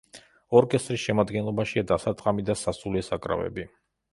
ორკესტრის შემადგენლობაშია დასარტყამი და სასულე საკრავები.